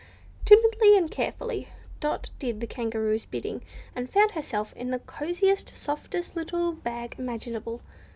Timidly and carefully, Dot did the Kangaroo's bidding, and found herself in the cosiest, softest little bag imaginable.